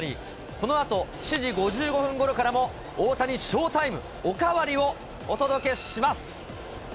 このあと、７時５５分ごろからも大谷ショータイムおかわり！をお届けします。